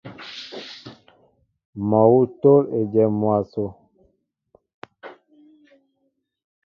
Mol awŭ tól ejém mwaso.